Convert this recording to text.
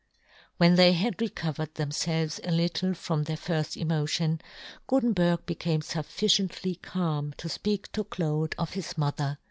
When they had recovered them felves a little from their firft emotion. yohn Gutenberg. i 19 Gutenberg became fufficiently calm to fpeak to Claude of his mother.